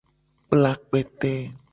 Kpla kpete.